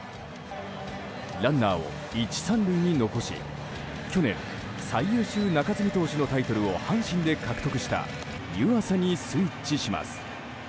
ランナーを１、３塁に残し去年、最優秀中継ぎ投手のタイトルを阪神で獲得した湯浅にスイッチします。